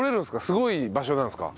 すごい場所なんですか？